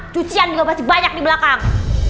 cucian juga pasti banyak di belakang